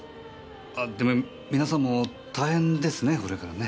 あでも皆さんも大変ですねこれからね。